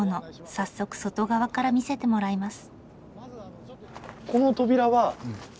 早速外側から見せてもらいます。